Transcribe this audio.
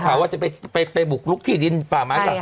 ได้ผ่าว่าจะไปบุกรุกที่ดินป่าไม้หรือเปล่า